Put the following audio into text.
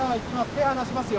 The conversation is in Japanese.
手離しますよ。